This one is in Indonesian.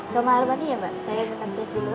roman arbani ya mbak saya buka teks dulu